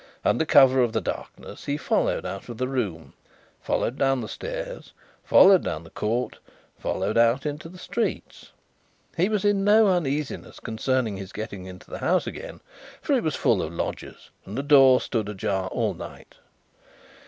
Under cover of the darkness he followed out of the room, followed down the stairs, followed down the court, followed out into the streets. He was in no uneasiness concerning his getting into the house again, for it was full of lodgers, and the door stood ajar all night.